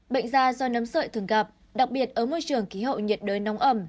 bệnh da do nấm sợi thường gặp đặc biệt ở môi trường khí hậu nhiệt đới nóng ẩm